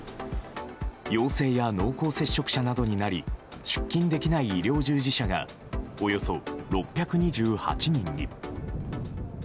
陽性や濃厚接触者などになり出勤できない医療従事者がおよそ６２８人に。